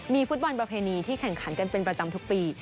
มีฟุตบอลประเพณีที่แข่งขันกันเป็นประจำทุกปี